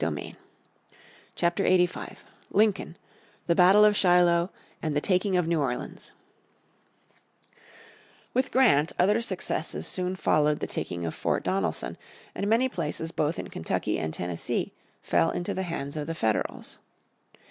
__________ Chapter 85 Lincoln The Battle of Shiloh and the Taking of New Orleans With Grant other successes soon followed the taking of Fort Donelson, and many places both in Kentucky and Tennessee fell into the hands of the Federals.